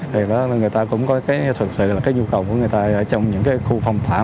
thì người ta cũng có cái nhu cầu của người ta ở trong những khu phòng thảm